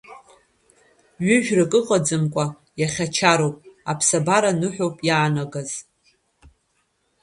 Ҩыжәрак ыҟаӡамкәа, иахьа чароуп, аԥсабара ныҳәоуп иаанагаз.